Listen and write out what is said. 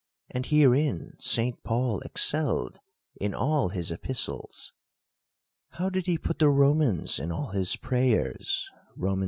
And herein St. Paul excelled, in all his epistles. How did he put the Romans in all his prayers (Rom. i.